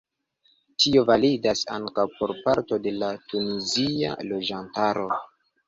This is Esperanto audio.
Tio validas ankaŭ por parto de la tunizia loĝantaro.